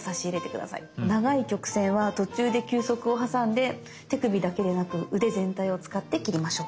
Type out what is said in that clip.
長い曲線は途中で休息を挟んで手首だけでなく腕全体を使って切りましょう。